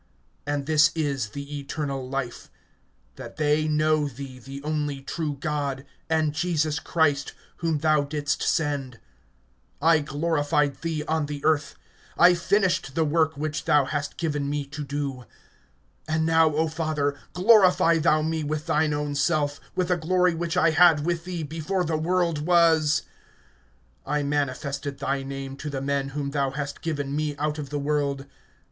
(3)And this is the eternal life, that they know thee the only true God, and Jesus Christ, whom thou didst send. (4)I glorified thee on the earth; I finished the work which thou hast given me to do. (5)And now, O Father, glorify thou me with thine own self, with the glory which I had with thee before the world was. (6)I manifested thy name to the men whom thou hast given me out of the world.